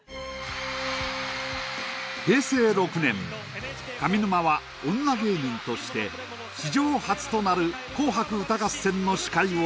平成６年上沼は女芸人として史上初となる「紅白歌合戦」の司会を務めた。